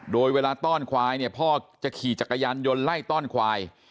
โดยเวลาต้อนควายเนี่ยพ่อจะขี่จักรยานยนต์ไล่ต้อนควาย